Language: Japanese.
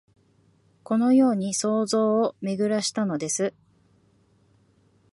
このように想像をめぐらしたのです